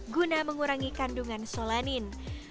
guna mengurangi kandungan solanin